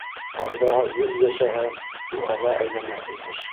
Аждаһа йөҙ йәшәһә, юхаға әйләнә, имеш.